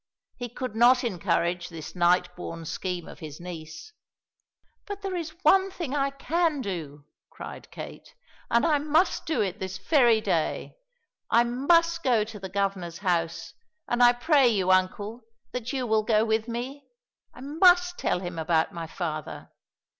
He could not encourage this night born scheme of his niece. "But there is one thing I can do," cried Kate, "and I must do it this very day. I must go to the Governor's house, and I pray you, uncle, that you will go with me. I must tell him about my father.